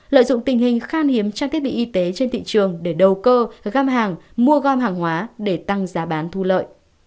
lợi dụng tình hình khan hiếm trang thiết bị y tế trên thị trường để đầu cơ găm hàng mua gom hàng hóa để tăng giá bán thu lợi